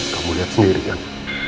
kamu lihat sendiri kan